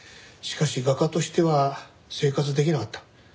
しかし画家としては生活できなかった。